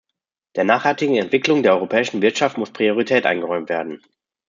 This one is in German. Der nachhaltigen Entwicklung der europäischen Wirtschaft muss Priorität eingeräumt werden.